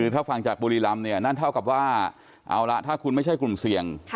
ถ้าฟังจากบุรีรำเนี่ยนั่นเท่ากับว่าเอาละถ้าคุณไม่ใช่กลุ่มเสี่ยง